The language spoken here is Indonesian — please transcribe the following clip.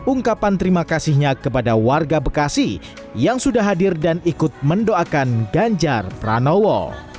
ungkapan terima kasihnya kepada warga bekasi yang sudah hadir dan ikut mendoakan ganjar pranowo